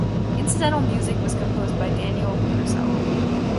Incidental music was composed by Daniel Purcell.